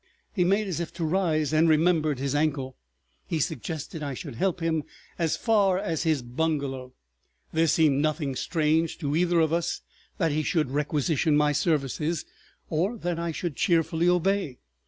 He made as if to rise, and remembered his ankle. He suggested I should help him as far as his bungalow. There seemed nothing strange to either of us that he should requisition my services or that I should cheerfully obey.